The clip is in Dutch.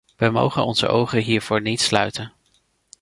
We mogen onze ogen hiervoor niet sluiten.